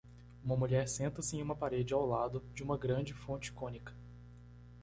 Uma mulher senta-se em uma parede ao lado de uma grande fonte cônica.